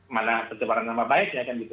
mana pencemaran nama baiknya kan gitu